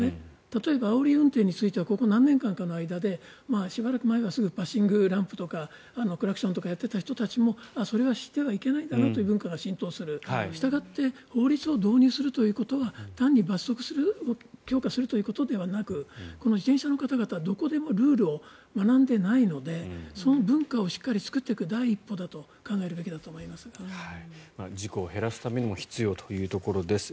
例えば、あおり運転はここ数年間の間ですぐにパッシングランプとかクラクションをやっていた人たちもそれをやってはいけないんだなという文化が浸透するしたがって法律を導入するということは単に罰則を強化するということではなく自転車の方々はどこでもルールを学んでいないのでその文化をしっかり作っていく第一歩だと事故を減らすためにも必要というところです。